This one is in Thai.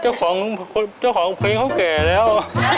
เจ้าของเจ้าของเพลงเขาแก่แล้ว